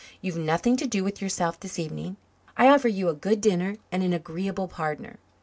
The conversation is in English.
You've nothing to do with yourself this evening. I offer you a good dinner and an agreeable partner.